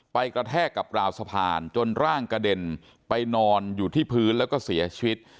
กระแทกกับราวสะพานจนร่างกระเด็นไปนอนอยู่ที่พื้นแล้วก็เสียชีวิต